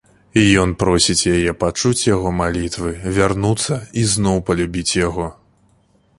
Ён просіць яе пачуць яго малітвы, вярнуцца і зноў палюбіць яго.